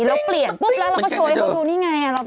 เราเปลี่ยนปุ๊บแล้วเราก็โชว์ให้เขาดูนี่ไง